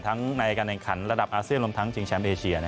ทั้งในการแข่งขันระดับอาเซียนลงทั้งจริงแชมป์เอเชียนะครับ